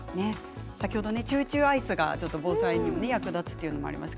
先ほどチューチューアイスが防災にも役立つというのもありました。